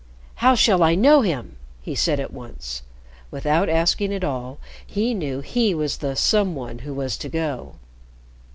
"How shall I know him?" he said at once. Without asking at all, he knew he was the "some one" who was to go.